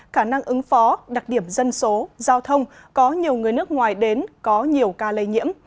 khả năng ứng phó đặc điểm dân số giao thông có nhiều người nước ngoài đến có nhiều ca lây nhiễm